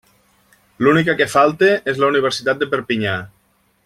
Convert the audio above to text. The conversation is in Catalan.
L'única que falta és la Universitat de Perpinyà.